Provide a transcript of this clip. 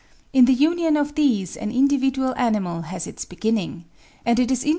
In the union of these an individual animal has its beginning and it is interesting Pkeu: J.